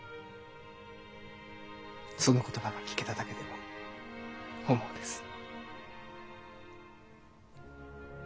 その言葉が聞けただけでも本望です。